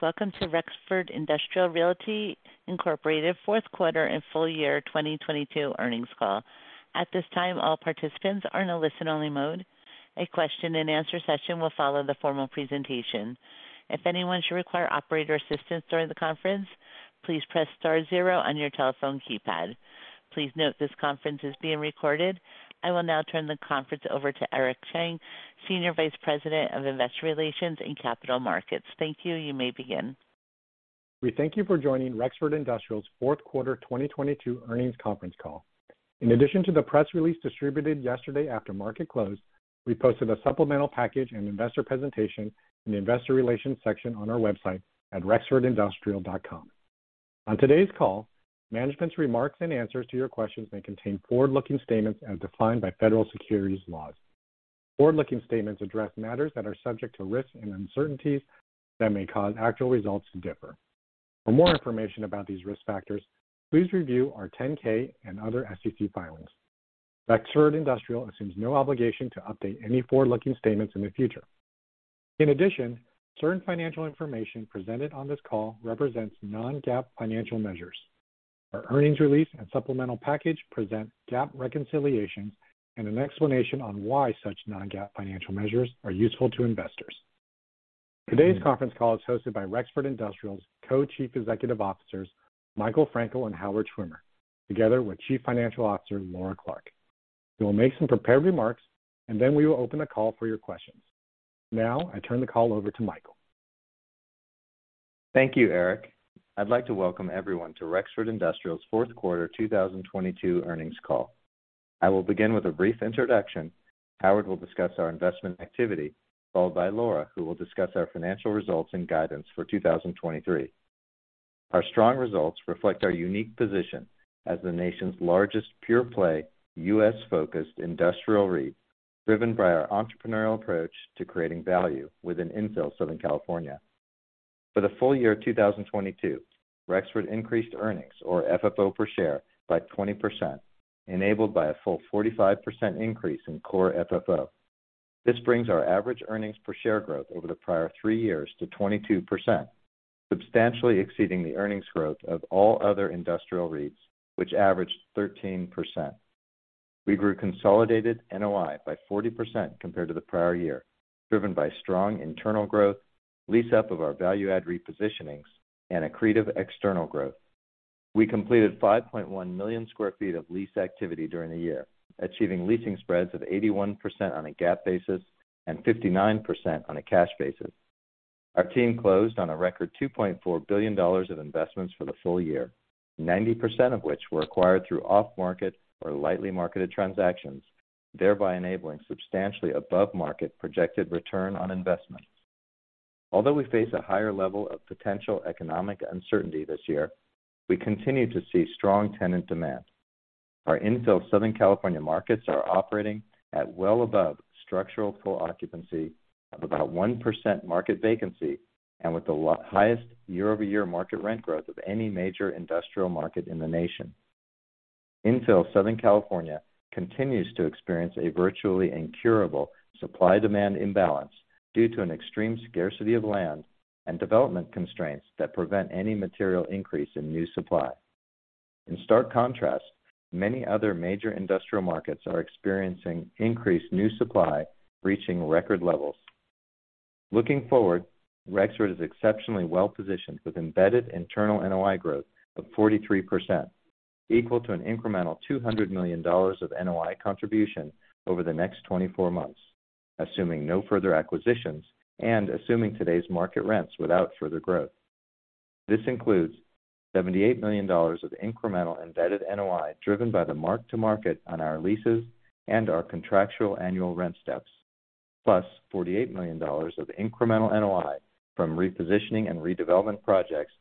Welcome to Rexford Industrial Realty, Inc. fourth quarter and full year 2022 earnings call. At this time, all participants are in a listen-only mode. A question and answer session will follow the formal presentation. If anyone should require operator assistance during the conference, please press star zero on your telephone keypad. Please note this conference is being recorded. I will now turn the conference over to Aric Chang, Senior Vice President of Investor Relations and Capital Markets. Thank you. You may begin. We thank you for joining Rexford Industrial's 4th quarter 2022 earnings conference call. In addition to the press release distributed yesterday after market close, we posted a supplemental package and investor presentation in the investor relations section on our website at rexfordindustrial.com. On today's call, management's remarks and answers to your questions may contain forward-looking statements as defined by Federal Securities laws. Forward-looking statements address matters that are subject to risks and uncertainties that may cause actual results to differ. For more information about these risk factors, please review our 10-K and other SEC filings. Rexford Industrial assumes no obligation to update any forward-looking statements in the future. In addition, certain financial information presented on this call represents non-GAAP financial measures. Our earnings release and supplemental package present GAAP reconciliations and an explanation on why such non-GAAP financial measures are useful to investors. Today's conference call is hosted by Rexford Industrial's Co-Chief Executive Officers, Michael Frankel and Howard Schwimmer, together with Chief Financial Officer Laura Clark. They will make some prepared remarks, and then we will open the call for your questions. Now I turn the call over to Michael. Thank you, Aric. I'd like to welcome everyone to Rexford Industrial's fourth quarter 2022 earnings call. I will begin with a brief introduction. Howard will discuss our investment activity, followed by Laura, who will discuss our financial results and guidance for 2023. Our strong results reflect our unique position as the nation's largest pure-play U.S.-focused industrial REIT, driven by our entrepreneurial approach to creating value within infill Southern California. For the full year 2022, Rexford increased earnings or FFO per share by 20%, enabled by a full 45% increase in Core FFO. This brings our average earnings per share growth over the prior three years to 22%, substantially exceeding the earnings growth of all other industrial REITs, which averaged 13%. We grew consolidated NOI by 40% compared to the prior year, driven by strong internal growth, lease up of our value add repositionings, and accretive external growth. We completed 5.1 million sq ft of lease activity during the year, achieving leasing spreads of 81% on a GAAP basis and 59% on a cash basis. Our team closed on a record $2.4 billion of investments for the full year, 90% of which were acquired through off-market or lightly marketed transactions, thereby enabling substantially above market projected return on investment. We face a higher level of potential economic uncertainty this year, we continue to see strong tenant demand. Our infill Southern California markets are operating at well above structural full occupancy of about 1% market vacancy and with the highest year-over-year market rent growth of any major industrial market in the nation. Infill Southern California continues to experience a virtually incurable supply-demand imbalance due to an extreme scarcity of land and development constraints that prevent any material increase in new supply. In stark contrast, many other major industrial markets are experiencing increased new supply, reaching record levels. Looking forward, Rexford is exceptionally well positioned with embedded internal NOI growth of 43%, equal to an incremental $200 million of NOI contribution over the next 24 months, assuming no further acquisitions and assuming today's market rents without further growth. This includes $78 million of incremental embedded NOI driven by the mark to market on our leases and our contractual annual rent steps, plus $48 million of incremental NOI from repositioning and redevelopment projects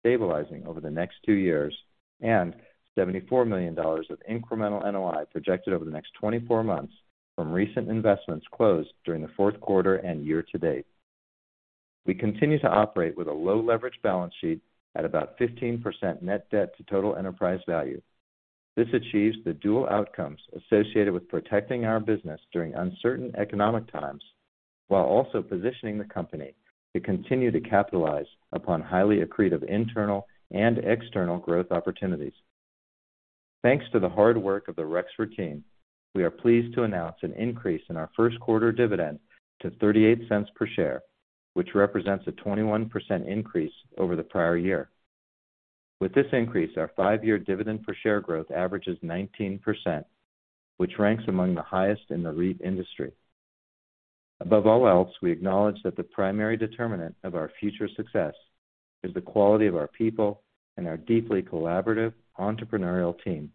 stabilizing over the next two years, and $74 million of incremental NOI projected over the next 24 months from recent investments closed during the fourth quarter and year to date. We continue to operate with a low leverage balance sheet at about 15% net debt to total enterprise value. This achieves the dual outcomes associated with protecting our business during uncertain economic times, while also positioning the company to continue to capitalize upon highly accretive internal and external growth opportunities. Thanks to the hard work of the Rexford team, we are pleased to announce an increase in our first quarter dividend to 0.38 per share, which represents a 21% increase over the prior year. With this increase, our five-year dividend per share growth averages 19%, which ranks among the highest in the REIT industry. Above all else, we acknowledge that the primary determinant of our future success is the quality of our people and our deeply collaborative entrepreneurial team.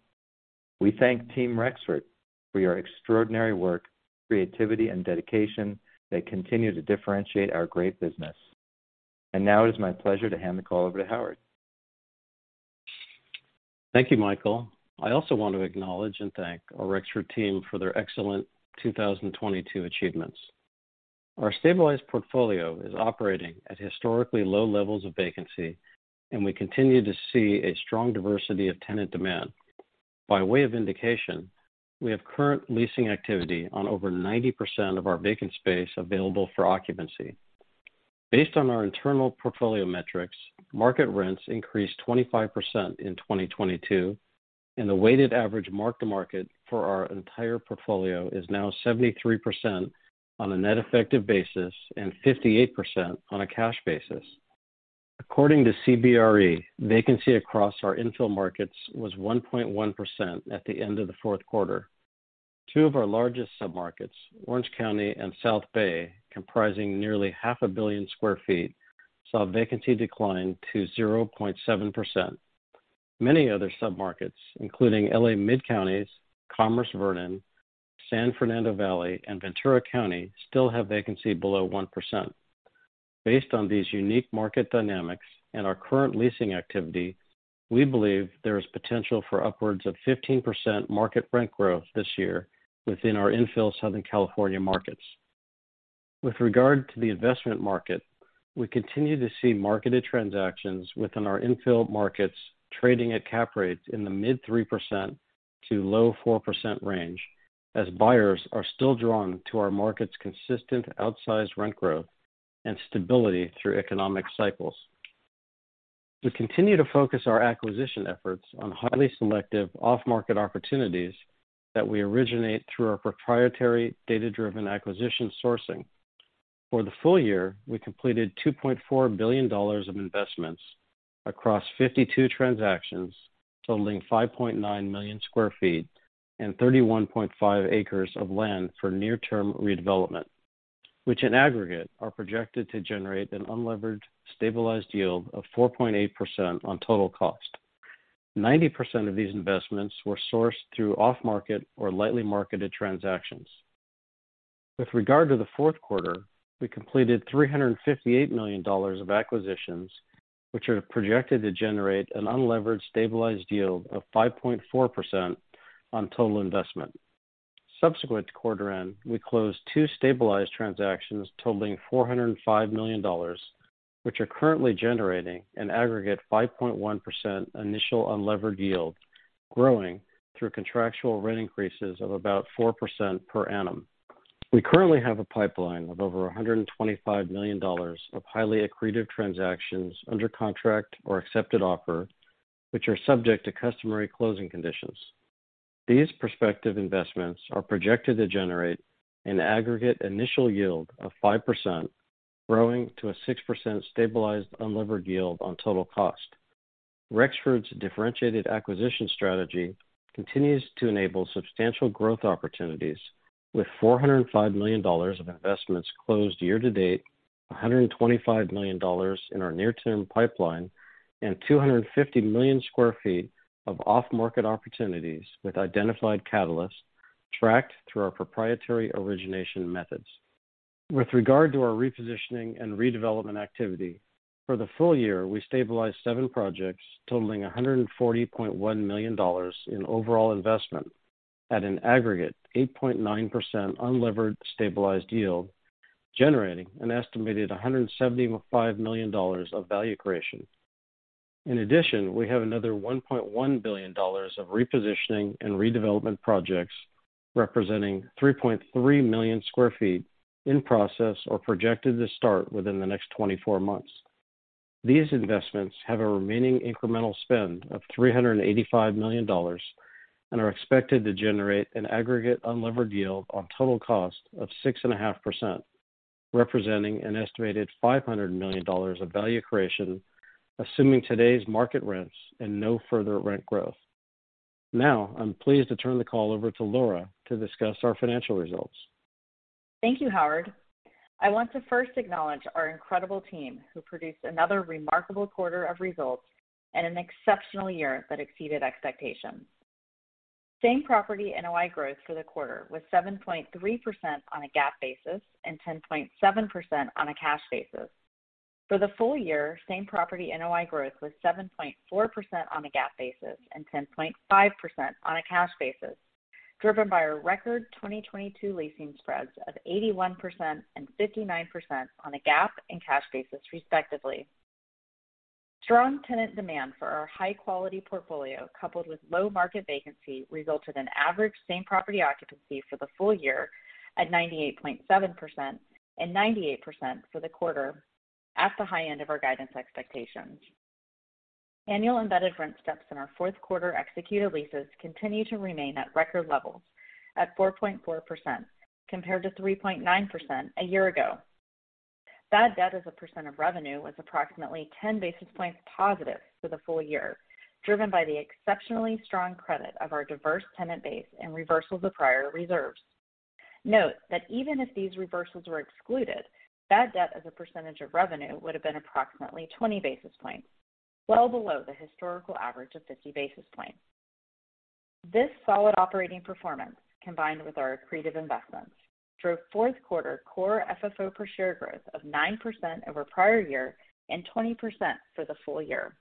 We thank Team Rexford for your extraordinary work, creativity, and dedication. They continue to differentiate our great business. Now it is my pleasure to hand the call over to Howard. Thank you, Michael. I also want to acknowledge and thank our Rexford Team for their excellent 2022 achievements. Our stabilized portfolio is operating at historically low levels of vacancy, and we continue to see a strong diversity of tenant demand. By way of indication, we have current leasing activity on over 90% of our vacant space available for occupancy. Based on our internal portfolio metrics, market rents increased 25% in 2022, and the weighted average mark-to-market for our entire portfolio is now 73% on a net effective basis and 58% on a cash basis. According to CBRE, vacancy across our infill markets was 1.1% at the end of the fourth quarter. Two of our largest submarkets, Orange County and South Bay, comprising nearly half a billion sq ft, saw vacancy decline to 0.7%. Many other submarkets, including LA Mid Counties, Commerce Vernon, San Fernando Valley, and Ventura County, still have vacancy below 1%. Based on these unique market dynamics and our current leasing activity, we believe there is potential for upwards of 15% market rent growth this year within our infill Southern California markets. With regard to the investment market, we continue to see marketed transactions within our infill markets trading at cap rates in the mid 3% to low 4% range as buyers are still drawn to our market's consistent outsized rent growth and stability through economic cycles. We continue to focus our acquisition efforts on highly selective off-market opportunities that we originate through our proprietary data-driven acquisition sourcing. For the full year, we completed $2.4 billion of investments across 52 transactions, totaling 5.9 million sq ft and 31.5 acres of land for near-term redevelopment, which in aggregate, are projected to generate an unlevered stabilized yield of 4.8% on total cost. 90% of these investments were sourced through off-market or lightly marketed transactions. With regard to the fourth quarter, we completed $358 million of acquisitions, which are projected to generate an unlevered stabilized yield of 5.4% on total investment. Subsequent to quarter end, we closed two stabilized transactions totaling $405 million, which are currently generating an aggregate 5.1% initial unlevered yield, growing through contractual rent increases of about 4% per annum. We currently have a pipeline of over $125 million of highly accretive transactions under contract or accepted offer, which are subject to customary closing conditions. These prospective investments are projected to generate an aggregate initial yield of 5%, growing to a 6% stabilized unlevered yield on total cost. Rexford's differentiated acquisition strategy continues to enable substantial growth opportunities with $405 million of investments closed year to date, $125 million in our near-term pipeline, and 250 million sq ft of off-market opportunities with identified catalysts tracked through our proprietary origination methods. With regard to our repositioning and redevelopment activity, for the full year, we stabilized seven projects totaling $140.1 million in overall investment at an aggregate 8.9% unlevered stabilized yield, generating an estimated $175 million of value creation. We have another $1.1 billion of repositioning and redevelopment projects representing 3.3 million sq ft in process or projected to start within the next 24 months. These investments have a remaining incremental spend of $385 million and are expected to generate an aggregate unlevered yield on total cost of 6.5%, representing an estimated $500 million of value creation, assuming today's market rents and no further rent growth. I'm pleased to turn the call over to Laura to discuss our financial results. Thank you, Howard. I want to first acknowledge our incredible team who produced another remarkable quarter of results and an exceptional year that exceeded expectations. Same property NOI growth for the quarter was 7.3% on a GAAP basis and 10.7% on a cash basis. For the full year, same property NOI growth was 7.4% on a GAAP basis and 10.5% on a cash basis, driven by our record 2022 leasing spreads of 81% and 59% on a GAAP and cash basis, respectively. Strong tenant demand for our high-quality portfolio, coupled with low market vacancy, resulted in average same property occupancy for the full year at 98.7% and 98% for the quarter at the high end of our guidance expectations. Annual embedded rent steps in our fourth quarter executed leases continue to remain at record levels at 4.4% compared to 3.9% a year ago. Bad debt as a % of revenue was approximately 10 basis points positive for the full year, driven by the exceptionally strong credit of our diverse tenant base and reversals of prior reserves. Note that even if these reversals were excluded, bad debt as a percentage of revenue would have been approximately 20 basis points, well below the historical average of 50 basis points. This solid operating performance, combined with our accretive investments, drove fourth quarter Core FFO per share growth of 9% over prior year and 20% for the full year.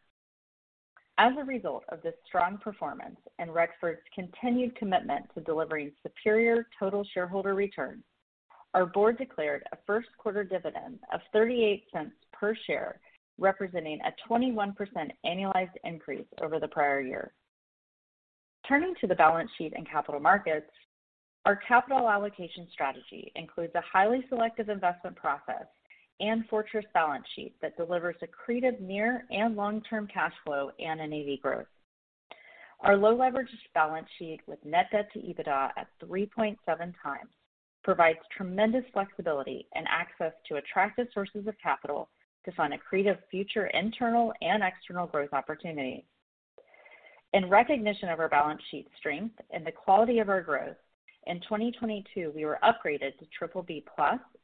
As a result of this strong performance and Rexford's continued commitment to delivering superior total shareholder returns. Our board declared a first quarter dividend of $0.38 per share, representing a 21% annualized increase over the prior year. Turning to the balance sheet and capital markets, our capital allocation strategy includes a highly selective investment process and fortress balance sheet that delivers accretive near and long-term cash flow and NAV growth. Our low leverage balance sheet with net debt to EBITDA at 3.7x provides tremendous flexibility and access to attractive sources of capital to fund accretive future internal and external growth opportunities. In recognition of our balance sheet strength and the quality of our growth, in 2022, we were upgraded to BBB+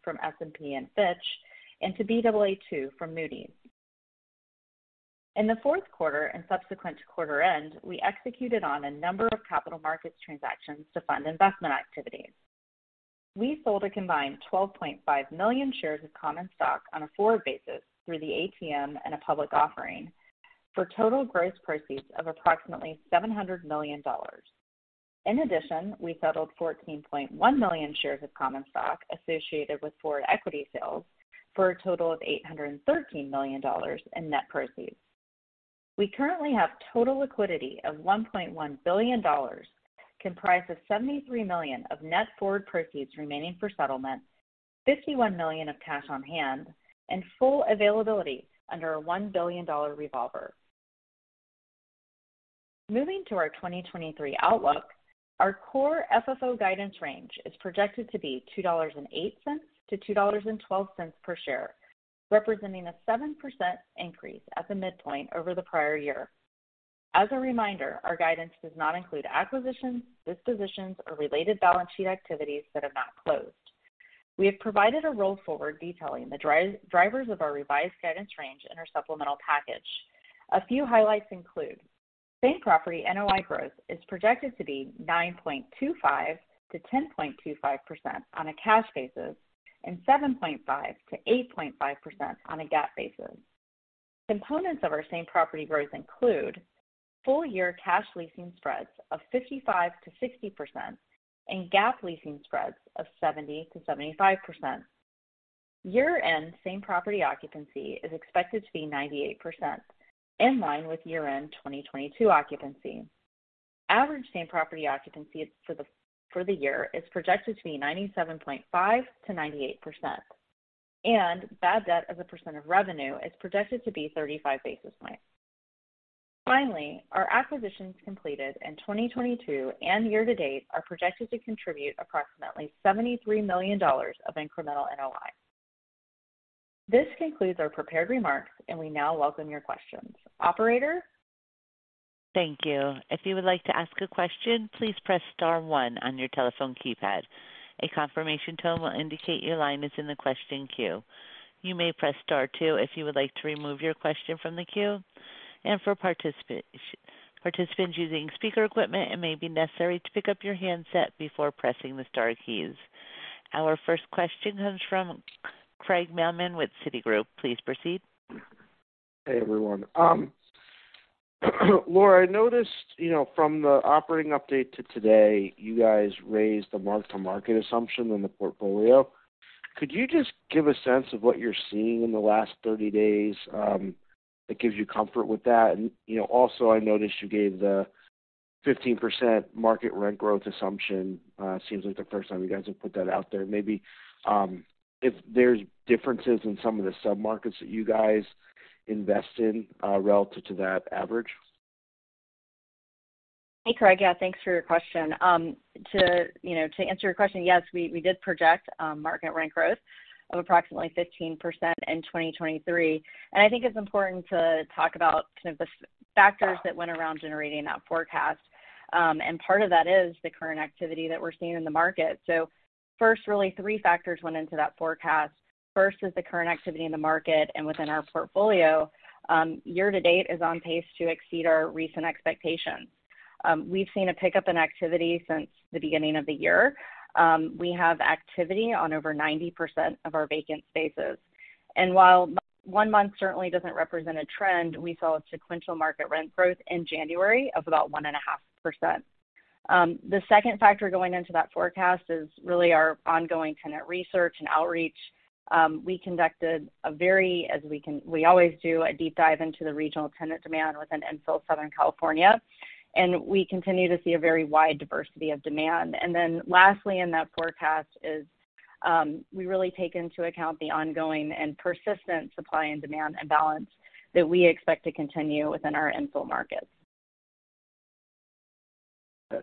from S&P and Fitch, and to Baa2 from Moody's. In the fourth quarter and subsequent to quarter end, we executed on a number of capital markets transactions to fund investment activities. We sold a combined 12.5 million shares of common stock on a forward basis through the ATM and a public offering for total gross proceeds of approximately $700 million. In addition, we settled $14.1 million shares of common stock associated with forward equity sales for a total of $813 million in net proceeds. We currently have total liquidity of $1.1 billion, comprised of $73 million of net forward proceeds remaining for settlement, $51 million of cash on hand, and full availability under a $1 billion revolver. Moving to our 2023 outlook, our Core FFO guidance range is projected to be $2.08-$2.12 per share, representing a 7% increase at the midpoint over the prior year. As a reminder, our guidance does not include acquisitions, dispositions or related balance sheet activities that have not closed. We have provided a roll forward detailing the drivers of our revised guidance range in our supplemental package. A few highlights include, same property NOI growth is projected to be 9.25%-10.25% on a cash basis and 7.5%-8.5% on a GAAP basis. Components of our same property growth include full year cash leasing spreads of 55%-60% and GAAP leasing spreads of 70%-75%. Year-end same property occupancy is expected to be 98%, in line with year-end 2022 occupancy. Average same property occupancy for the year is projected to be 97.5%-98%, and bad debt as a % of revenue is projected to be 35 basis points. Finally, our acquisitions completed in 2022 and year to date are projected to contribute approximately $73 million of incremental NOI. This concludes our prepared remarks, and we now welcome your questions. Operator? Thank you. If you would like to ask a question, please press star one on your telephone keypad. A confirmation tone will indicate your line is in the question queue. You may press star two if you would like to remove your question from the queue. For participants using speaker equipment, it may be necessary to pick up your handset before pressing the star keys. Our first question comes from Craig Mailman with Citigroup. Please proceed. Hey, everyone. Laura, I noticed, you know, from the operating update to today, you guys raised the mark-to-market assumption in the portfolio. Could you just give a sense of what you're seeing in the last 30 days, that gives you comfort with that? Also, I noticed you gave the 15% market rent growth assumption. Seems like the first time you guys have put that out there. Maybe, if there's differences in some of the sub-markets that you guys invest in, relative to that average. Hey, Craig. Yeah, thanks for your question. you know, to answer your question, yes, we did project market rent growth of approximately 15% in 2023. I think it's important to talk about kind of the factors that went around generating that forecast. Part of that is the current activity that we're seeing in the market. First, really three factors went into that forecast. First is the current activity in the market and within our portfolio. Year to date is on pace to exceed our recent expectations. We've seen a pickup in activity since the beginning of the year. We have activity on over 90% of our vacant spaces. While one month certainly doesn't represent a trend, we saw a sequential market rent growth in January of about 1.5%. The second factor going into that forecast is really our ongoing tenant research and outreach. We conducted a very, as we always do, a deep dive into the regional tenant demand within infill Southern California, and we continue to see a very wide diversity of demand. Lastly in that forecast is, we really take into account the ongoing and persistent supply and demand imbalance that we expect to continue within our infill markets.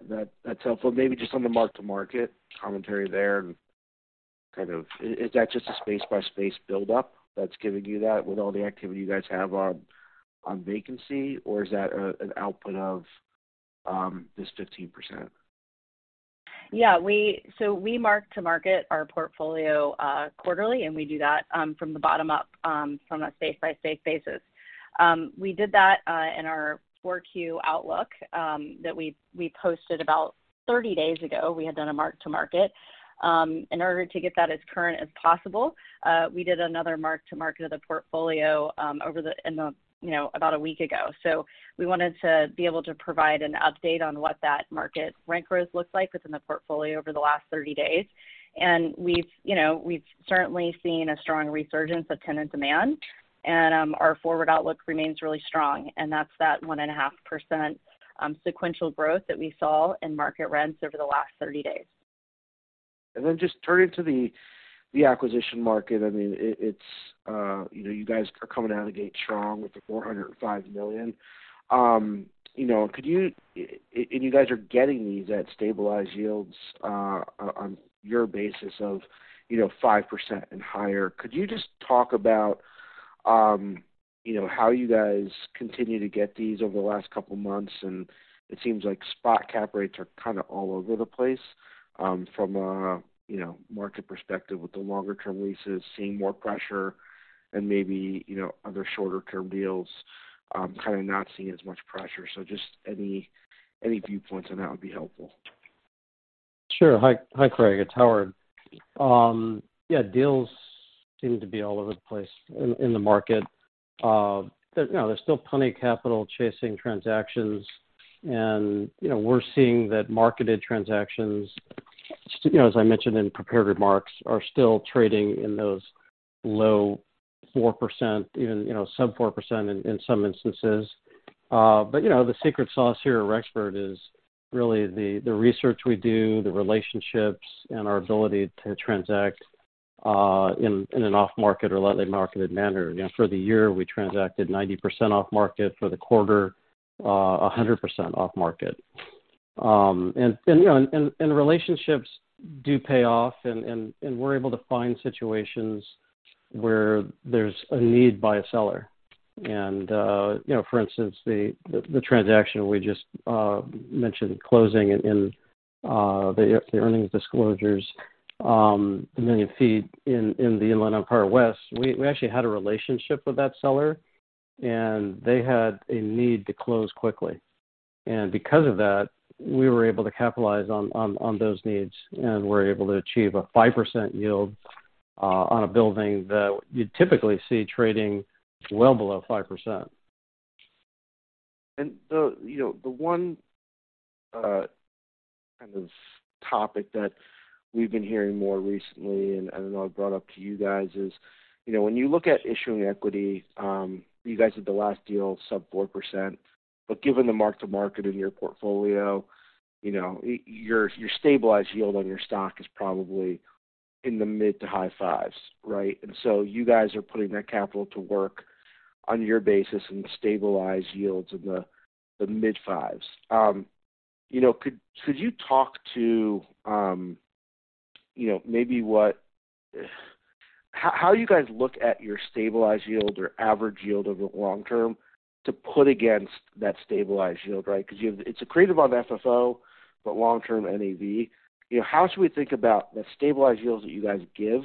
That's helpful. Maybe just on the mark to market commentary there. Kind of is that just a space-by-space build-up that's giving you that with all the activity you guys have on vacancy, or is that a, an output of this 15%? Yeah. So we mark to market our portfolio quarterly, and we do that from the bottom up from a space-by-space basis. We did that in our 4Q outlook that we posted about 30 days ago. We had done a mark-to-market. In order to get that as current as possible, we did another mark to market of the portfolio in the, you know, about a week ago. We wanted to be able to provide an update on what that market rent growth looks like within the portfolio over the last 30 days. We've, you know, we've certainly seen a strong resurgence of tenant demand, and our forward outlook remains really strong, and that's that 1.5% sequential growth that we saw in market rents over the last 30 days. Then just turning to the acquisition market. I mean, it's, you know, you guys are coming out of the gate strong with the 405 million. You guys are getting these at stabilized yields, on your basis of, you know, 5% and higher. Could you just talk about, you know, how you guys continue to get these over the last couple months? It seems like spot cap rates are kind of all over the place, from a, you know, market perspective, with the longer term leases seeing more pressure and maybe, you know, other shorter term deals, kind of not seeing as much pressure. Just any viewpoints on that would be helpful. Sure. Hi, Craig. It's Howard. Yeah, deals seem to be all over the place in the market. You know, there's still plenty of capital chasing transactions. You know, we're seeing that marketed transactions, you know, as I mentioned in prepared remarks, are still trading in those low 4%, even, you know, sub 4% in some instances. You know, the secret sauce here at Rexford Industrial is really the research we do, the relationships, and our ability to transact in an off-market or lightly marketed manner. You know, for the year, we transacted 90% off market, for the quarter, 100% off market. You know, relationships do pay off, and we're able to find situations where there's a need by a seller. You know, for instance, the transaction we just mentioned closing in the earnings disclosures, 1 million sq ft in Inland Empire West. We actually had a relationship with that seller, and they had a need to close quickly. Because of that, we were able to capitalize on those needs, and we're able to achieve a 5% yield on a building that you'd typically see trading well below 5%. The, you know, the one kind of topic that we've been hearing more recently, and I know I've brought up to you guys is, you know, when you look at issuing equity, you guys did the last deal sub 4%. Given the mark to market in your portfolio, you know, your stabilized yield on your stock is probably in the mid to high 5s, right? You guys are putting that capital to work on your basis and the stabilized yields in the mid 5s. You know, could you talk to, you know, maybe how you guys look at your stabilized yield or average yield over long term to put against that stabilized yield, right? Because it's accretive on FFO, but long-term NAV. You know, how should we think about the stabilized yields that you guys give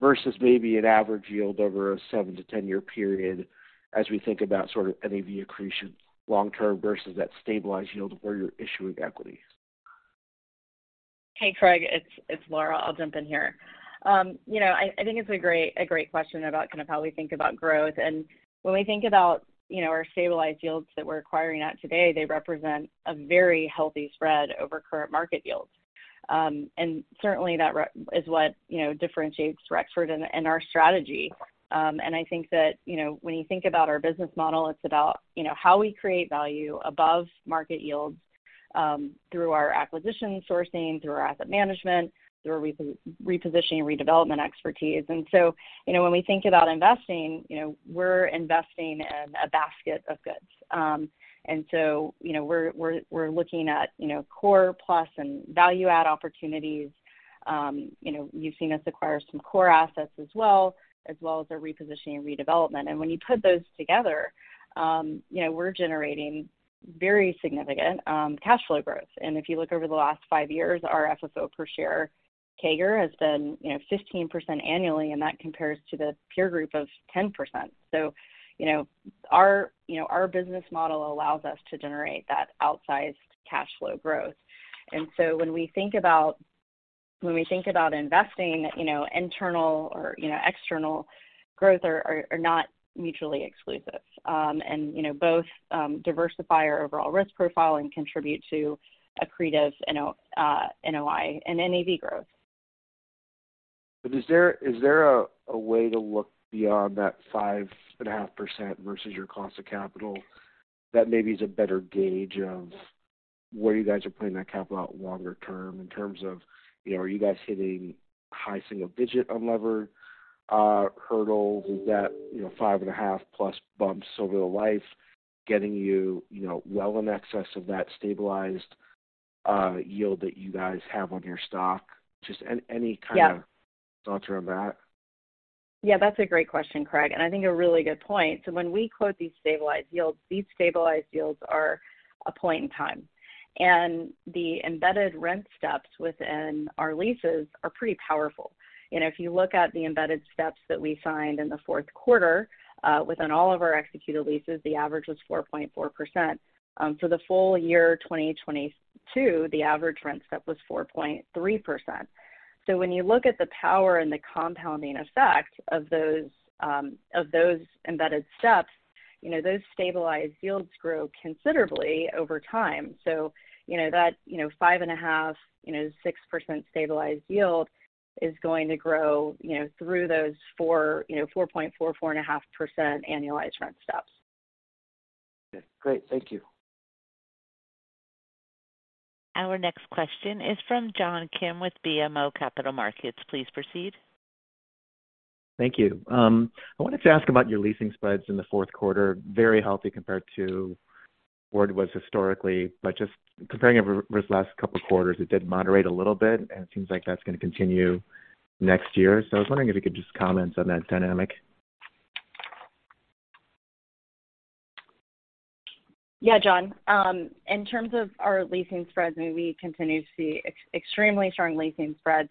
versus maybe an average yield over a seven to 10-year period as we think about sort of NAV accretion long term versus that stabilized yield where you're issuing equities? Hey, Craig, it's Laura. I'll jump in here. you know, I think it's a great question about kind of how we think about growth. When we think about, you know, our stabilized yields that we're acquiring at today, they represent a very healthy spread over current market yields. certainly that is what, you know, differentiates Rexford Industrial and our strategy. I think that, you know, when you think about our business model, it's about, you know, how we create value above market yields, through our acquisition sourcing, through our asset management, through our repositioning and redevelopment expertise. When we think about investing, you know, we're investing in a basket of goods. We're looking at, you know, core plus and value add opportunities. You know, you've seen us acquire some core assets as well, as well as our repositioning and redevelopment. When you put those together, you know, we're generating very significant cash flow growth. If you look over the last five years, our FFO per share CAGR has been, you know, 15% annually, and that compares to the peer group of 10%. You know, our business model allows us to generate that outsized cash flow growth. When we think about investing, you know, internal or, you know, external growth are not mutually exclusive, and, you know, both diversify our overall risk profile and contribute to accretive NOI and NAV growth. Is there a way to look beyond that 5.5% versus your cost of capital that maybe is a better gauge of where you guys are putting that capital out longer term in terms of, you know, are you guys hitting high single-digit unlevered hurdles? Is that, you know, 5.5 plus bumps over the life getting you know, well in excess of that stabilized yield that you guys have on your stock? Just any kind of- Yeah thoughts around that? Yeah, that's a great question, Craig. I think a really good point. When we quote these stabilized yields, these stabilized yields are a point in time. The embedded rent steps within our leases are pretty powerful. You know, if you look at the embedded steps that we signed in the fourth quarter, within all of our executed leases, the average was 4.4%. For the full year 2022, the average rent step was 4.3%. When you look at the power and the compounding effect of those, of those embedded steps, you know, those stabilized yields grow considerably over time. You know that, you know, 5.5%, you know, 6% stabilized yield is going to grow, you know, through those 4%, you know, 4.4%, 4.5% annualized rent steps. Great. Thank you. Our next question is from John Kim with BMO Capital Markets. Please proceed. Thank you. I wanted to ask about your leasing spreads in the fourth quarter. Very healthy compared to where it was historically, but just comparing over this last couple quarters, it did moderate a little bit, and it seems like that's going to continue next year. I was wondering if you could just comment on that dynamic. Yeah, John. In terms of our leasing spreads, I mean, we continue to see extremely strong leasing spreads.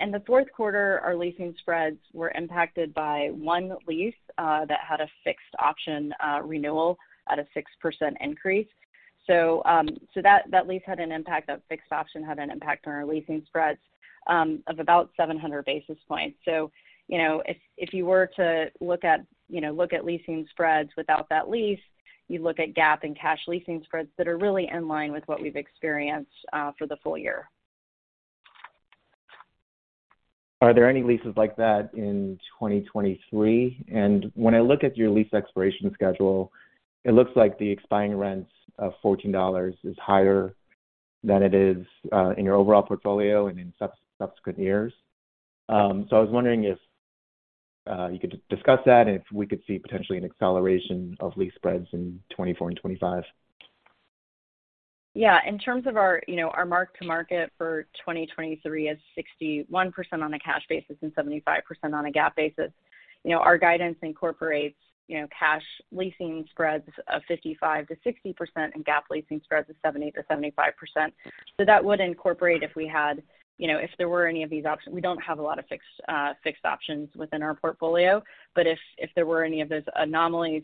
In the fourth quarter, our leasing spreads were impacted by one lease that had a fixed option renewal at a 6% increase. That lease had an impact. That fixed option had an impact on our leasing spreads of about 700 basis points. You know, if you were to look at, you know, look at leasing spreads without that lease, you'd look at GAAP and cash leasing spreads that are really in line with what we've experienced for the full year. Are there any leases like that in 2023? When I look at your lease expiration schedule, it looks like the expiring rent of $14 is higher than it is in your overall portfolio and in subsequent years. I was wondering if you could discuss that and if we could see potentially an acceleration of lease spreads in 2024 and 2025. Yeah. In terms of our, you know, our mark-to-market for 2023 is 61% on a cash basis and 75% on a GAAP basis. You know, our guidance incorporates, you know, cash leasing spreads of 55%-60% and GAAP leasing spreads of 70%-75%. That would incorporate if we had, you know, if there were any of these options. We don't have a lot of fixed options within our portfolio. If there were any of those anomalies,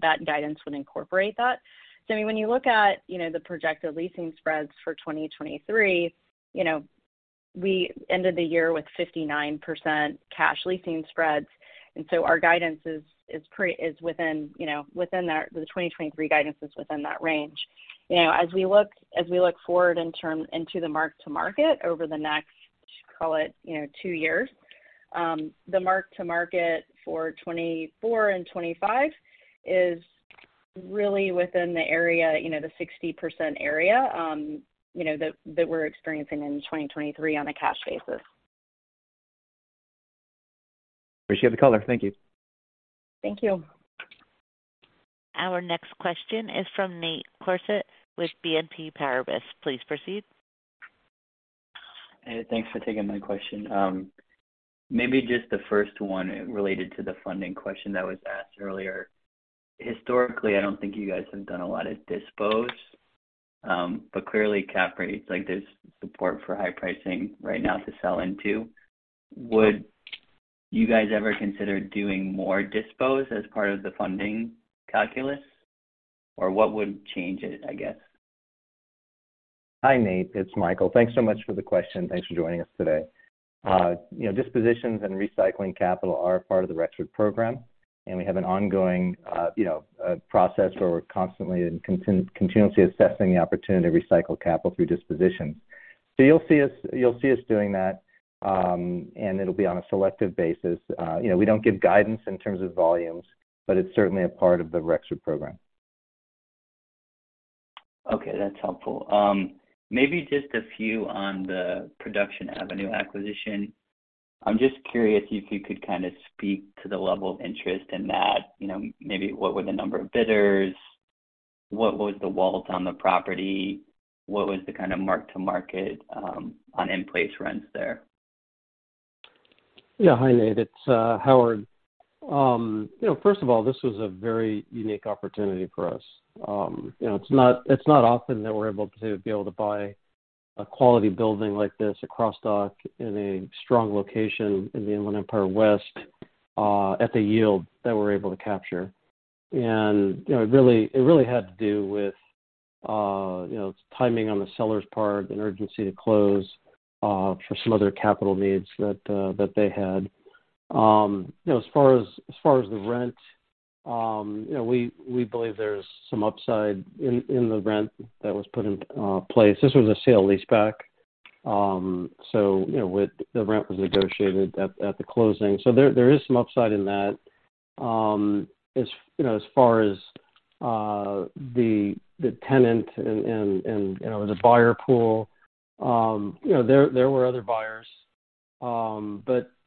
that guidance would incorporate that. I mean, when you look at, you know, the projected leasing spreads for 2023, you know, we ended the year with 59% cash leasing spreads, our guidance is within, you know, within that range. You know, as we look forward in term into the mark-to-market over the next, call it, you know, two years, the mark-to-market for 2024 and 2025 is really within the area, you know, the 60% area, you know, that we're experiencing in 2023 on a cash basis. Appreciate the color. Thank you. Thank you. Our next question is from Nate Crossett with BNP Paribas. Please proceed. Hey, thanks for taking my question. Maybe just the first one related to the funding question that was asked earlier. Historically, I don't think you guys have done a lot of dispos, but clearly cap rates, like, there's support for high pricing right now to sell into. Would you guys ever consider doing more dispos as part of the funding calculus? What would change it, I guess? Hi, Nate, it's Michael. Thanks so much for the question. Thanks for joining us today. You know, dispositions and recycling capital are part of the Rexford program, and we have an ongoing, you know, process where we're constantly and continually assessing the opportunity to recycle capital through dispositions. You'll see us doing that, and it'll be on a selective basis. You know, we don't give guidance in terms of volumes, but it's certainly a part of the Rexford program. That's helpful. Maybe just a few on the Production Avenue acquisition. I'm just curious if you could kind of speak to the level of interest in that, you know, maybe what were the number of bidders? What was the WALT on the property? What was the kind of mark-to-market, on in-place rents there? Yeah. Hi, Nate. It's Howard. You know, first of all, this was a very unique opportunity for us. You know, it's not often that we're able to be able to buy a quality building like this, a cross dock in a strong location in the Inland Empire West, at the yield that we're able to capture. You know, it really had to do with, you know, timing on the seller's part, an urgency to close for some other capital needs that they had. You know, as far as the rent, you know, we believe there's some upside in the rent that was put in place. This was a sale leaseback. You know, with the rent was negotiated at the closing. There is some upside in that. As, you know, as far as, the tenant and, you know, the buyer pool, you know, there were other buyers.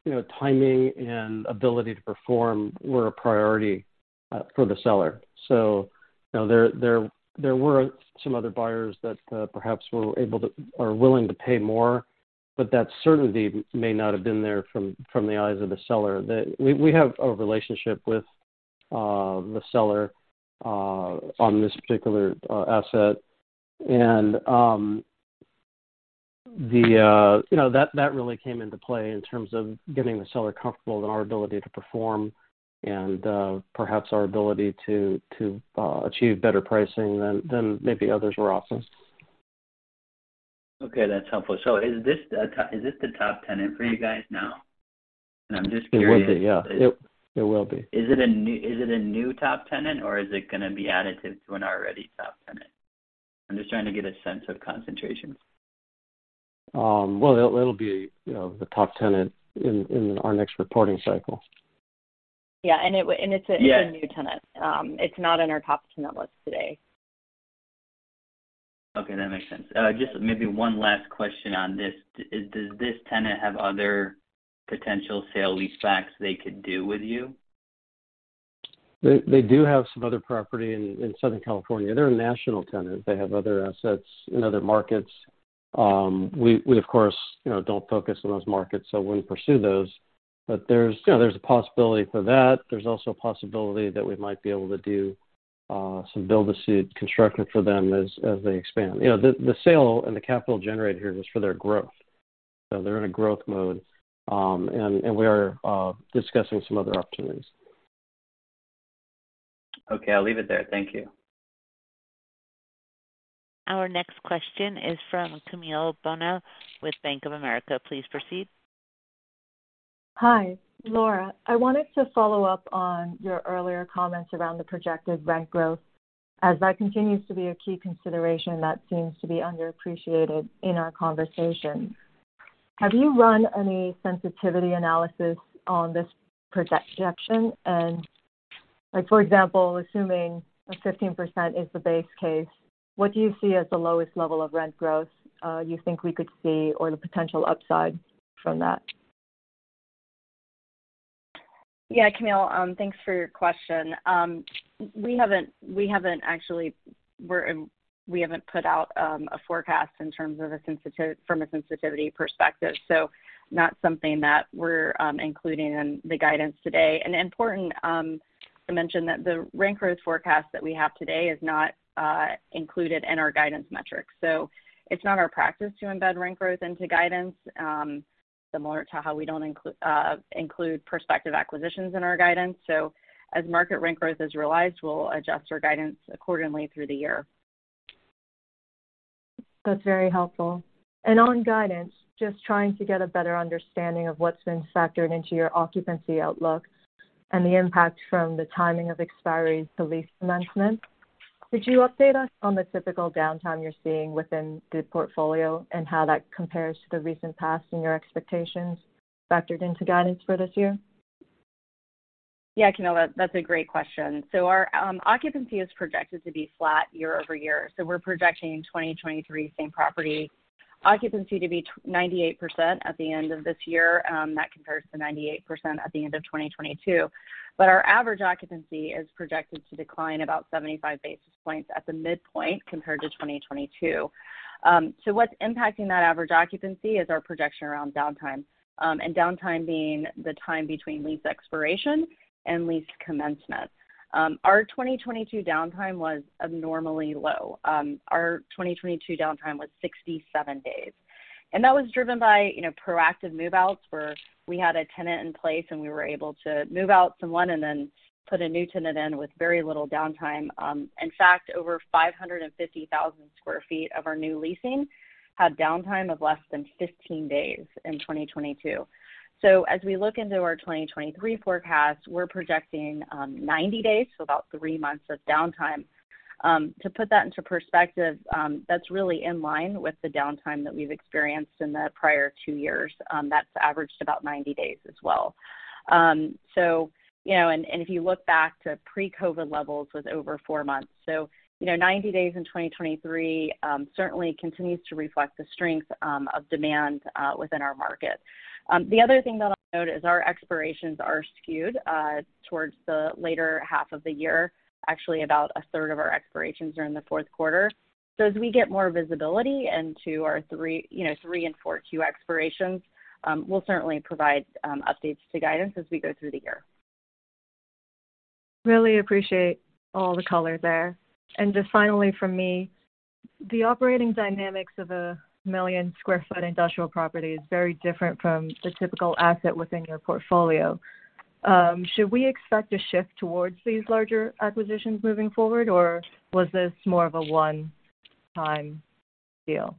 You know, timing and ability to perform were a priority for the seller. You know, there were some other buyers that, perhaps were able to or willing to pay more, but that certainty may not have been there from the eyes of the seller. That we have a relationship with, the seller, on this particular asset. You know, that really came into play in terms of getting the seller comfortable in our ability to perform and, perhaps our ability to achieve better pricing than maybe others were offering. Okay, that's helpful. Is this the top tenant for you guys now? I'm just curious. It will be. Yeah. It will be. Is it a new top tenant or is it going to be additive to an already top tenant? I'm just trying to get a sense of concentration. Well, it'll be, you know, the top tenant in our next reporting cycle. Yeah. and it's. Yeah. It's a new tenant. It's not in our top tenant list today. Okay, that makes sense. Just maybe one last question on this. Does this tenant have other potential sale leasebacks they could do with you? They do have some other property in Southern California. They're a national tenant. They have other assets in other markets. We of course, you know, don't focus on those markets, so wouldn't pursue those. There's, you know, there's a possibility for that. There's also a possibility that we might be able to do some build to suit construction for them as they expand. You know, the sale and the capital generated here is for their growth. They're in a growth mode. We are discussing some other opportunities. Okay, I'll leave it there. Thank you. Our next question is from Camille Bonnel with Bank of America. Please proceed. Hi. Laura, I wanted to follow up on your earlier comments around the projected rent growth, as that continues to be a key consideration that seems to be underappreciated in our conversation. Have you run any sensitivity analysis on this projection? Like, for example, assuming a 15% is the base case, what do you see as the lowest level of rent growth you think we could see or the potential upside from that? Camille Bonnel, thanks for your question. We haven't actually put out a forecast in terms of from a sensitivity perspective, so not something that we're including in the guidance today. Important to mention that the rent growth forecast that we have today is not included in our guidance metrics. It's not our practice to embed rent growth into guidance, similar to how we don't include prospective acquisitions in our guidance. As market rent growth is realized, we'll adjust our guidance accordingly through the year. That's very helpful. On guidance, just trying to get a better understanding of what's been factored into your occupancy outlook and the impact from the timing of expiries to lease commencement. Could you update us on the typical downtime you're seeing within the portfolio and how that compares to the recent past and your expectations factored into guidance for this year? Yeah, Camille, that's a great question. Our occupancy is projected to be flat year-over-year. We're projecting 2023 same property occupancy to be 98% at the end of this year, that compares to 98% at the end of 2022. Our average occupancy is projected to decline about 75 basis points at the midpoint compared to 2022. What's impacting that average occupancy is our projection around downtime, and downtime being the time between lease expiration and lease commencement. Our 2022 downtime was abnormally low. Our 2022 downtime was 67 days. That was driven by, you know, proactive move-outs, where we had a tenant in place, and we were able to move out someone and then put a new tenant in with very little downtime. In fact, over 550,000 sq ft of our new leasing had downtime of less than 15 days in 2022. As we look into our 2023 forecast, we're projecting 90 days, so about 3 months of downtime. To put that into perspective, that's really in line with the downtime that we've experienced in the prior two years, that's averaged about 90 days as well. You know, and if you look back to pre-COVID levels, was over four months. You know, 90 days in 2023 certainly continues to reflect the strength of demand within our market. The other thing that I'll note is our expirations are skewed towards the later half of the year. Actually, about a third of our expirations are in the fourth quarter. As we get more visibility into our three, you know, three and four Q expirations, we'll certainly provide updates to guidance as we go through the year. Really appreciate all the color there. Just finally from me. The operating dynamics of a 1 million sq ft industrial property is very different from the typical asset within your portfolio. Should we expect a shift towards these larger acquisitions moving forward, or was this more of a one-time deal?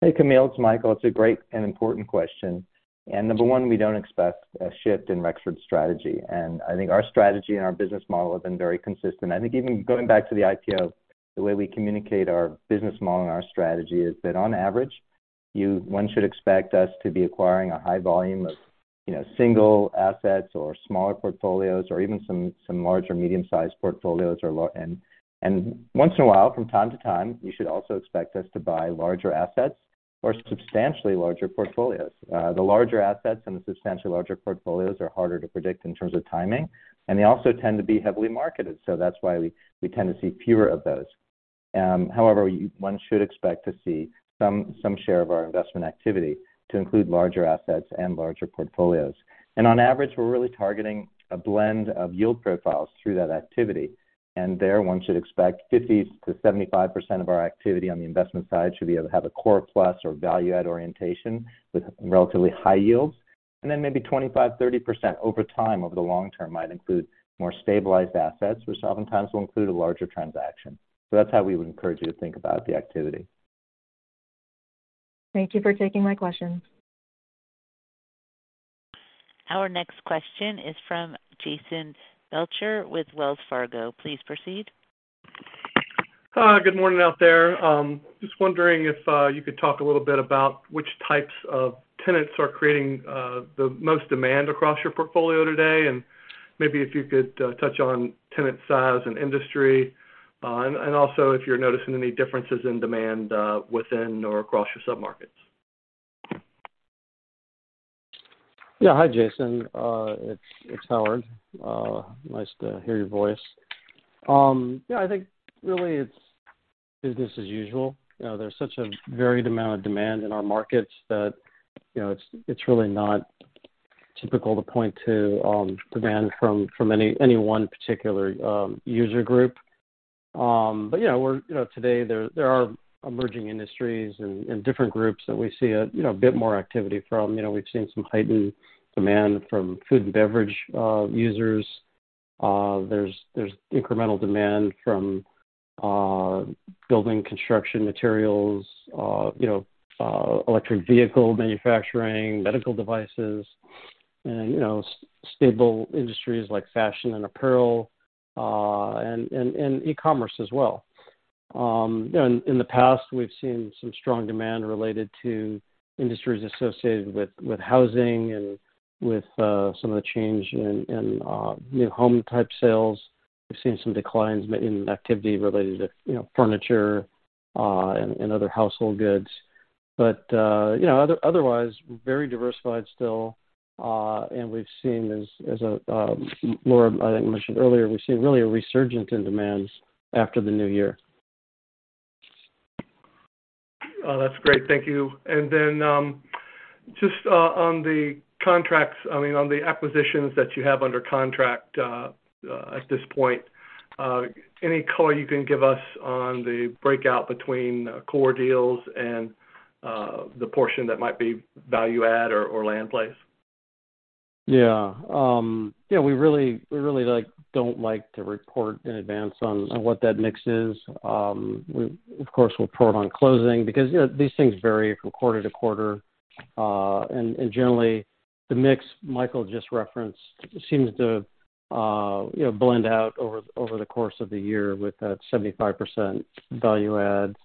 Hey, Camille, it's Michael. It's a great and important question. Number one, we don't expect a shift in Rexford's strategy. I think our strategy and our business model have been very consistent. I think even going back to the IPO, the way we communicate our business model and our strategy is that on average, one should expect us to be acquiring a high volume of, you know, single assets or smaller portfolios or even some larger medium-sized portfolios or And once in a while, from time to time, you should also expect us to buy larger assets. Substantially larger portfolios. The larger assets and the substantially larger portfolios are harder to predict in terms of timing, and they also tend to be heavily marketed. That's why we tend to see fewer of those. However, one should expect to see some share of our investment activity to include larger assets and larger portfolios. On average, we're really targeting a blend of yield profiles through that activity. There, one should expect 50%-75% of our activity on the investment side should have a core plus or value add orientation with relatively high yields. Then maybe 25%, 30% over time, over the long term might include more stabilized assets, which oftentimes will include a larger transaction. That's how we would encourage you to think about the activity. Thank you for taking my question. Our next question is from Jason Belcher with Wells Fargo. Please proceed. Hi, good morning out there. Just wondering if you could talk a little bit about which types of tenants are creating the most demand across your portfolio today, and maybe if you could touch on tenant size and industry, and also if you're noticing any differences in demand within or across your submarkets? Yeah. Hi, Jason. It's Howard. Nice to hear your voice. I think really it's business as usual. You know, there's such a varied amount of demand in our markets that, you know, it's really not typical to point to demand from any one particular user group. Yeah, we're, you know, today there are emerging industries and different groups that we see a, you know, a bit more activity from. You know, we've seen some heightened demand from food and beverage users. There's incremental demand from building construction materials, you know, electric vehicle manufacturing, medical devices, and, you know, stable industries like fashion and apparel and e-commerce as well. You know, in the past, we've seen some strong demand related to industries associated with housing and with some of the change in new home-type sales. We've seen some declines in activity related to, you know, furniture, and other household goods. You know, otherwise, very diversified still. We've seen as Laura, I think mentioned earlier, we've seen really a resurgence in demands after the new year. Oh, that's great. Thank you. Just, on the contracts, I mean, on the acquisitions that you have under contract, at this point, any color you can give us on the breakout between core deals and, the portion that might be value add or land plays? Yeah. Yeah, we really don't like to report in advance on what that mix is. We of course will report on closing because, you know, these things vary from quarter to quarter. Generally the mix Michael just referenced seems to, you know, blend out over the course of the year with that 75% value add,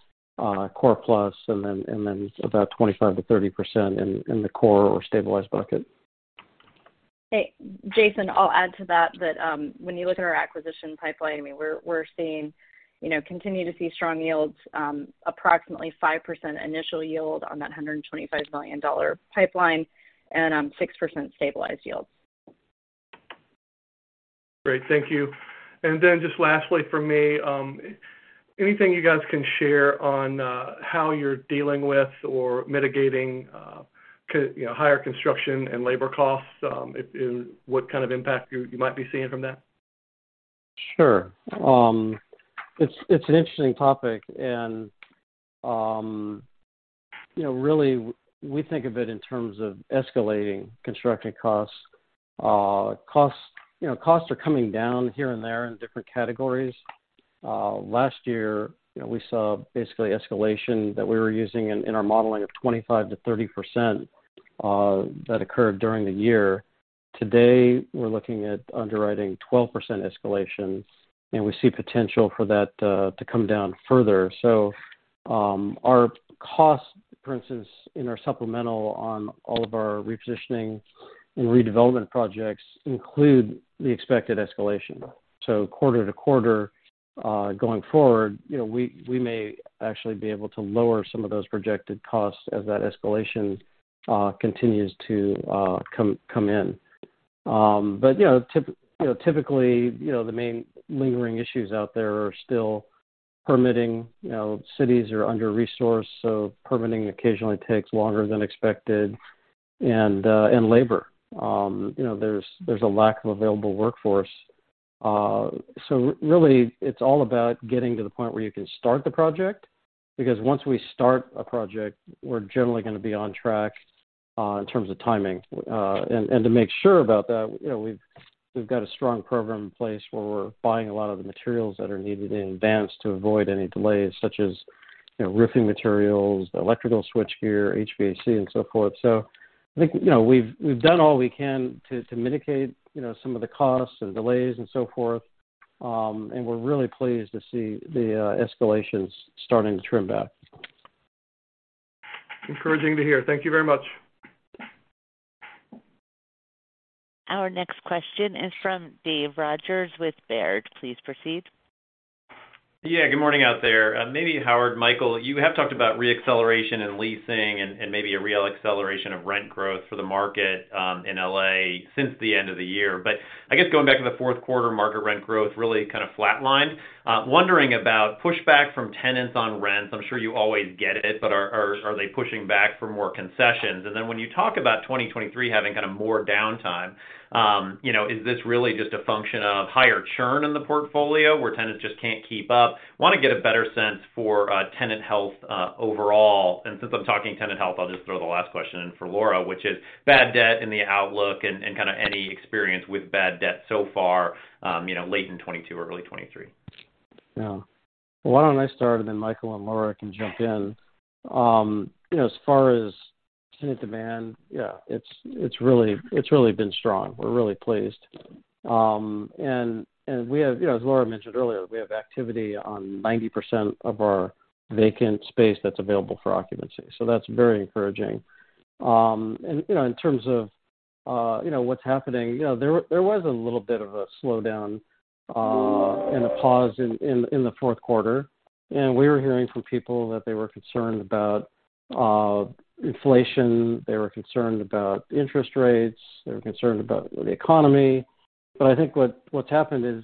core plus, and then about 25%-30% in the core or stabilized bucket. Hey, Jason, I'll add to that, when you look at our acquisition pipeline, I mean, we're seeing, you know, continue to see strong yields, approximately 5% initial yield on that $125 million pipeline and 6% stabilized yields. Great. Thank you. Just lastly from me, anything you guys can share on how you're dealing with or mitigating higher construction and labor costs, and what kind of impact you might be seeing from that? Sure. It's, it's an interesting topic and, you know, really we think of it in terms of escalating construction costs. Costs, you know, costs are coming down here and there in different categories. Last year, you know, we saw basically escalation that we were using in our modeling of 25%-30%, that occurred during the year. Today, we're looking at underwriting 12% escalations, and we see potential for that, to come down further. Our costs, for instance, in our supplemental on all of our repositioning and redevelopment projects include the expected escalation. Quarter to quarter, going forward, you know, we may actually be able to lower some of those projected costs as that escalation, continues to, come in. You know, typically, you know, the main lingering issues out there are still permitting. You know, cities are under-resourced, so permitting occasionally takes longer than expected. Labor. You know, there's a lack of available workforce. Really it's all about getting to the point where you can start the project, because once we start a project, we're generally going to be on track in terms of timing. To make sure about that, you know, we've got a strong program in place where we're buying a lot of the materials that are needed in advance to avoid any delays, such as, you know, roofing materials, electrical switchgear, HVAC and so forth. I think, you know, we've done all we can to mitigate, you know, some of the costs and delays and so forth. We're really pleased to see the escalations starting to trim back. Encouraging to hear. Thank you very much. Our next question is from Dave Rodgers with Baird. Please proceed. Yeah, good morning out there. Maybe Howard, Michael, you have talked about re-acceleration and leasing and maybe a re-acceleration of rent growth for the market in L.A. since the end of the year. I guess going back to the fourth quarter, market rent growth really kind of flatlined. Wondering about pushback from tenants on rents. I'm sure you always get it, but are they pushing back for more concessions? When you talk about 2023 having kinda more downtime, you know, is this really just a function of higher churn in the portfolio where tenants just can't keep up? want to get a better sense for tenant health overall. Since I'm talking tenant health, I'll just throw the last question in for Laura, which is bad debt in the outlook and kinda any experience with bad debt so far, you know, late in 2022, early 2023. Why don't I start, and then Michael and Laura can jump in. You know, as far as tenant demand, it's really been strong. We're really pleased. We have. You know, as Laura mentioned earlier, we have activity on 90% of our vacant space that's available for occupancy, so that's very encouraging. You know, in terms of, you know, what's happening, you know, there was a little bit of a slowdown, and a pause in the fourth quarter. We were hearing from people that they were concerned about inflation, they were concerned about interest rates, they were concerned about the economy. I think what's happened is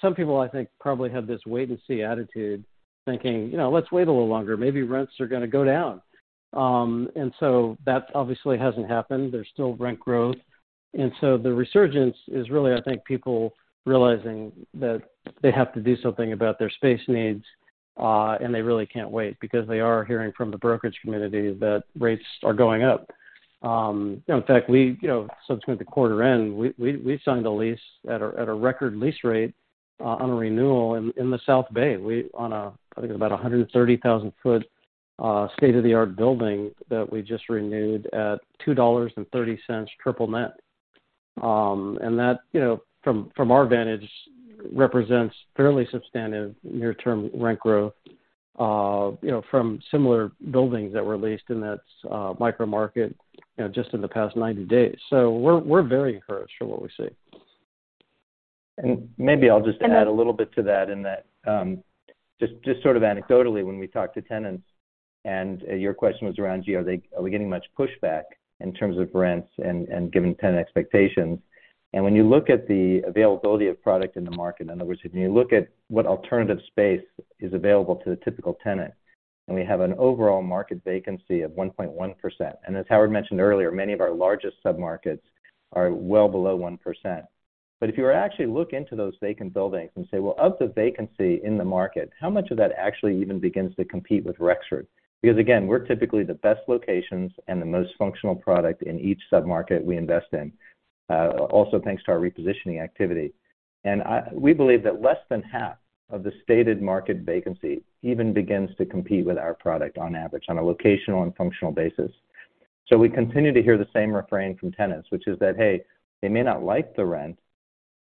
some people, I think, probably had this wait and see attitude, thinking, "You know, let's wait a little longer. Maybe rents are going to go down." That obviously hasn't happened. There's still rent growth. The resurgence is really, I think, people realizing that they have to do something about their space needs, and they really can't wait because they are hearing from the brokerage community that rates are going up. You know, in fact, we, you know, subsequent to quarter end, we signed a lease at a record lease rate on a renewal in the South Bay. I think about a 130,000 foot state-of-the-art building that we just renewed at $2.30 triple net. That, you know, from our vantage, represents fairly substantive near-term rent growth, you know, from similar buildings that were leased in that micro market, you know, just in the past 90 days. We're very encouraged from what we see. Maybe I'll just add a little bit to that in that, just sort of anecdotally when we talk to tenants, your question was around, you know, are we getting much pushback in terms of rents and given tenant expectations. When you look at the availability of product in the market, in other words, when you look at what alternative space is available to the typical tenant, we have an overall market vacancy of 1.1%. As Howard mentioned earlier, many of our largest submarkets are well below 1%. If you were actually look into those vacant buildings and say, "Well, of the vacancy in the market, how much of that actually even begins to compete with Rexford?" Again, we're typically the best locations and the most functional product in each submarket we invest in, also thanks to our repositioning activity. We believe that less than half of the stated market vacancy even begins to compete with our product on average on a locational and functional basis. We continue to hear the same refrain from tenants, which is that, hey, they may not like the rent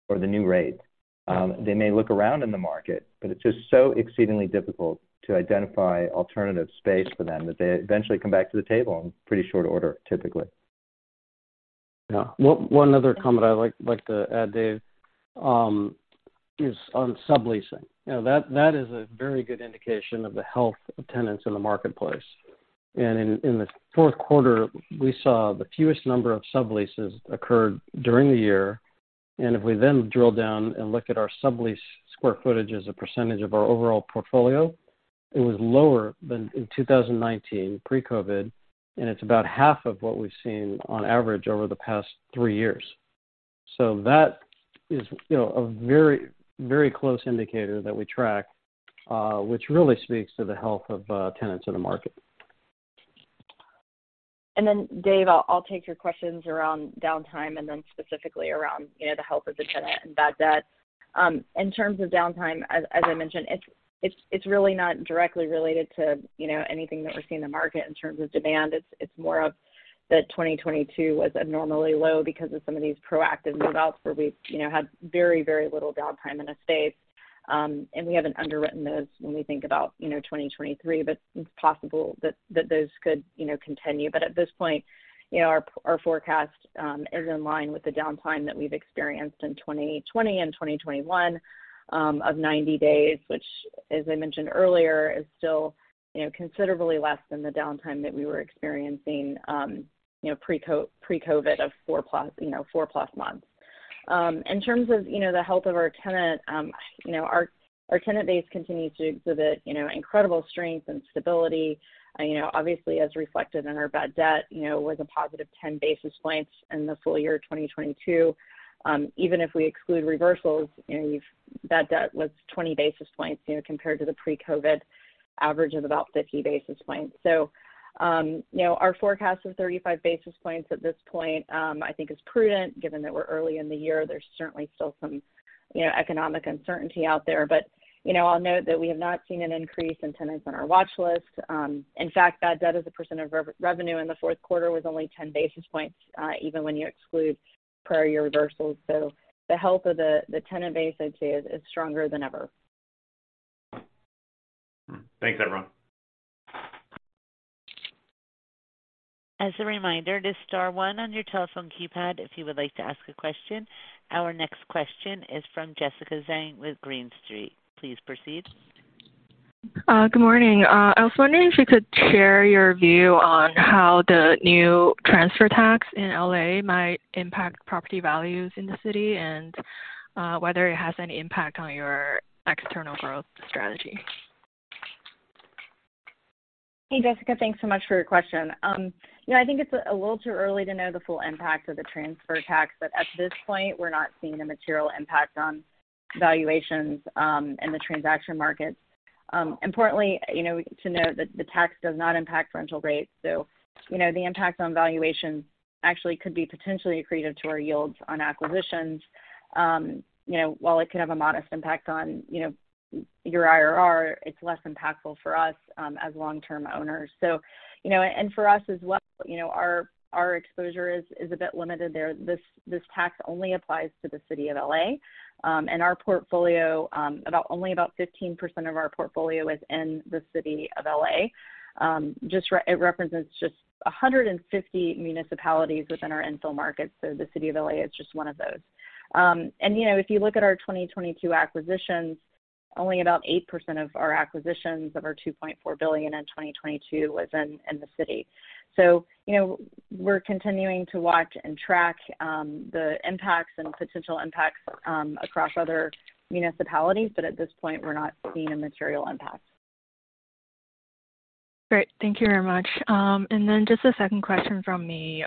or the new rate, they may look around in the market, but it's just so exceedingly difficult to identify alternative space for them that they eventually come back to the table in pretty short order, typically. Yeah. One other comment I'd like to add, Dave, is on subleasing. You know, that is a very good indication of the health of tenants in the marketplace. In the fourth quarter, we saw the fewest number of subleases occurred during the year. If we then drill down and look at our sublease square footage as a percentage of our overall portfolio, it was lower than in 2019, pre-COVID, and it's about half of what we've seen on average over the past three years. That is, you know, a very close indicator that we track, which really speaks to the health of tenants in the market. Dave, I'll take your questions around downtime and then specifically around, you know, the health of the tenant and bad debt. In terms of downtime, as I mentioned, it's really not directly related to, you know, anything that we're seeing in the market in terms of demand. It's, it's more of that 2022 was abnormally low because of some of these proactive move-outs where we've, you know, had very, very little downtime in estates. We haven't underwritten those when we think about, you know, 2023, but it's possible that those could, you know, continue. At this point, you know, our forecast is in line with the downtime that we've experienced in 2020 and 2021, of 90 days, which, as I mentioned earlier, is still, you know, considerably less than the downtime that we were experiencing, you know, pre-COVID of 4+ months. In terms of, you know, the health of our tenant, you know, our tenant base continues to exhibit, you know, incredible strength and stability. You know, obviously as reflected in our bad debt, you know, was a positive 10 basis points in the full year of 2022. Even if we exclude reversals, you know, Bad debt was 20 basis points, you know, compared to the pre-COVID average of about 50 basis points. You know, our forecast of 35 basis points at this point, I think is prudent given that we're early in the year. There's certainly still some, you know, economic uncertainty out there. You know, I'll note that we have not seen an increase in tenants on our watch list. In fact, bad debt as a percent of revenue in the fourth quarter was only 10 basis points, even when you exclude prior year reversals. The health of the tenant base, I'd say, is stronger than ever. Thanks, everyone. As a reminder, just star one on your telephone keypad if you would like to ask a question. Our next question is from Jessica Zheng with Green Street. Please proceed. Good morning. I was wondering if you could share your view on how the new transfer tax in L.A. might impact property values in the city and whether it has any impact on your external growth strategy. Hey, Jessica. Thanks so much for your question. You know, I think it's a little too early to know the full impact of the transfer tax, but at this point we're not seeing a material impact on valuations in the transaction markets. Importantly, you know, to note that the tax does not impact rental rates. You know, the impact on valuations actually could be potentially accretive to our yields on acquisitions. You know, while it could have a modest impact on, you know, your IRR, it's less impactful for us as long-term owners. You know, and for us as well, you know, our exposure is a bit limited there. This tax only applies to the city of L.A. Our portfolio, only about 15% of our portfolio is in the city of L.A. It represents just 150 municipalities within our infill markets. The city of L.A. is just one of those. You know, if you look at our 2022 acquisitions, only about 8% of our acquisitions of our 2.4 billion in 2022 was in the city. You know, we're continuing to watch and track the impacts and potential impacts across other municipalities, but at this point we're not seeing a material impact. Great. Thank you very much. Just a second question from me.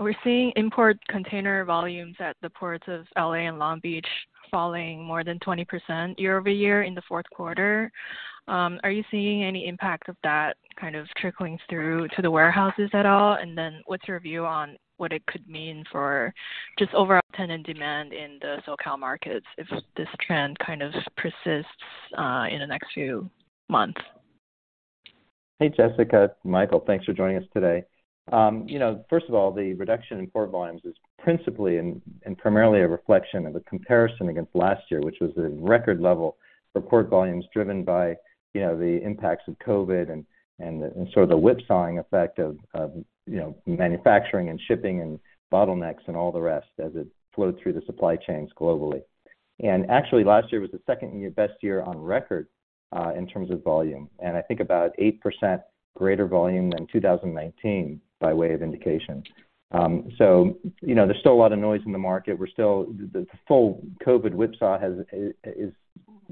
We're seeing import container volumes at the ports of L.A. and Long Beach falling more than 20% year-over-year in the fourth quarter. Are you seeing any impact of that kind of trickling through to the warehouses at all? What's your view on what it could mean for just overall tenant demand in the SoCal markets if this trend kind of persists in the next few months? Hey, Jessica. Michael. Thanks for joining us today. You know, first of all, the reduction in port volumes is principally and primarily a reflection of a comparison against last year, which was a record level for port volumes driven by, you know, the impacts of COVID and sort of the whipsawing effect of, you know, manufacturing and shipping and bottlenecks and all the rest as it flowed through the supply chains globally. Actually last year was the second year, best year on record, in terms of volume, and I think about 8% greater volume than 2019 by way of indication. You know, there's still a lot of noise in the market. The full COVID whipsaw has, is,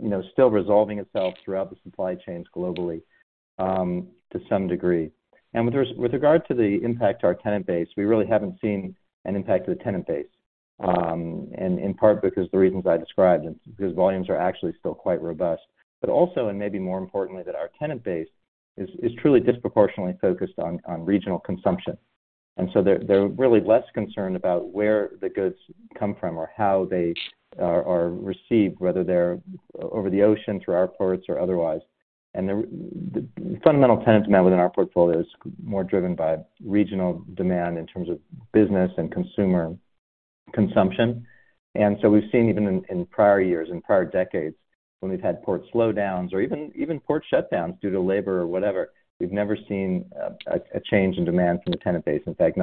you know, still resolving itself throughout the supply chains globally, to some degree. With regard to the impact to our tenant base, we really haven't seen an impact to the tenant base. In part because the reasons I described, and because volumes are actually still quite robust. Also, and maybe more importantly, that our tenant base is truly disproportionately focused on regional consumption. So they're really less concerned about where the goods come from or how they are received, whether they're over the ocean, through our ports or otherwise. The fundamental tenant demand within our portfolio is more driven by regional demand in terms of business and consumer consumption. So we've seen even in prior years and prior decades, when we've had port slowdowns or even port shutdowns due to labor or whatever, we've never seen a change in demand from the tenant base. In fact,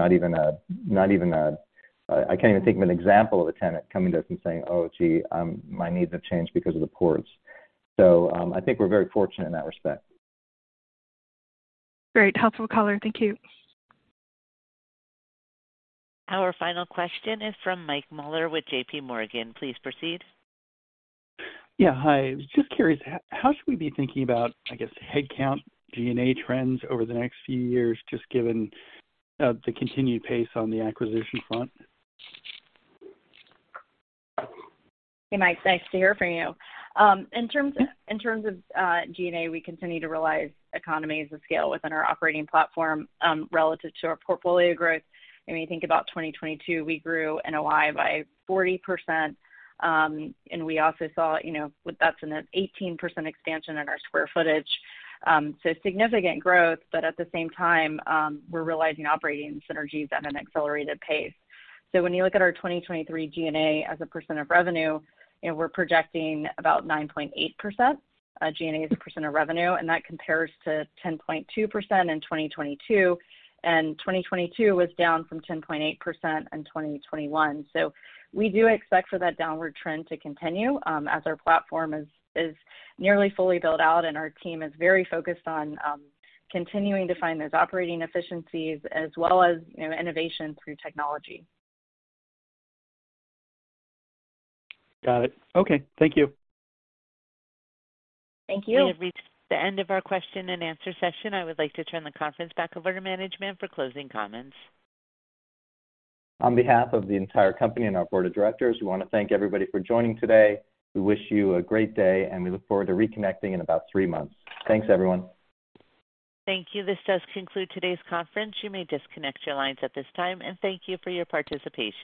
I can't even think of an example of a tenant coming to us and saying, "Oh, gee, my needs have changed because of the ports." I think we're very fortunate in that respect. Great. Helpful color. Thank you. Our final question is from Michael Mueller with JP Morgan. Please proceed. Yeah. Hi. Just curious, how should we be thinking about, I guess, head count G&A trends over the next few years, just given the continued pace on the acquisition front? Hey, Mike, nice to hear from you. In terms of G&A, we continue to realize economies of scale within our operating platform, relative to our portfolio growth. When you think about 2022, we grew NOI by 40%, and we also saw, you know, with that's an 18% expansion in our square footage. significant growth, but at the same time, we're realizing operating synergies at an accelerated pace. When you look at our 2023 G&A as a percent of revenue, you know, we're projecting about 9.8% G&A as a percent of revenue, and that compares to 10.2% in 2022, and 2022 was down from 10.8% in 2021. We do expect for that downward trend to continue, as our platform is nearly fully built out and our team is very focused on, continuing to find those operating efficiencies as well as, you know, innovation through technology. Got it. Okay. Thank you. Thank you. We have reached the end of our question and answer session. I would like to turn the conference back over to management for closing comments. On behalf of the entire company and our board of directors, we want to thank everybody for joining today. We wish you a great day, and we look forward to reconnecting in about three months. Thanks, everyone. Thank you. This does conclude today's conference. You may disconnect your lines at this time, and thank you for your participation.